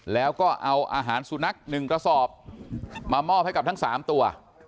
แล้วก็เอาอาหารสุนัข๑กระสอบมามอบให้กับทั้ง๓ตัว